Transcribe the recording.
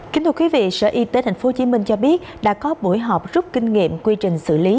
kính thưa quý vị sở y tế tp hcm cho biết đã có buổi họp rút kinh nghiệm quy trình xử lý